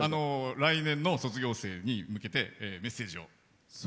来年の卒業生に向けてメッセージを。